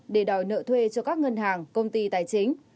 để đòi nợ thuê cho các ngân hàng công ty tài chính